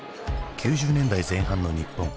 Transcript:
９０年代前半の日本。